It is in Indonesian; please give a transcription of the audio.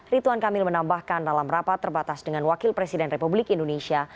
rituan kamil menambahkan dalam rapat terbatas dengan wakil presiden republik indonesia